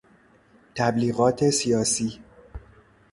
تبلیغات سیاسی